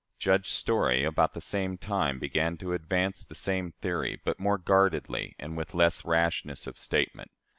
" Judge Story about the same time began to advance the same theory, but more guardedly and with less rashness of statement.